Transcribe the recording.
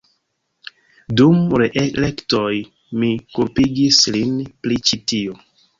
Dum reelektoj mi kulpigis lin pri ĉi tio.